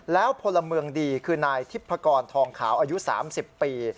แล้วพลเมืองดีคือนายทิพกรทองขาวอายุ๓๐ปี